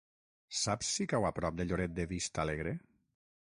Saps si cau a prop de Lloret de Vistalegre?